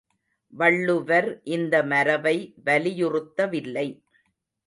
வள்ளுவர் இந்த மரபை வலியுறுத்தவில்லை.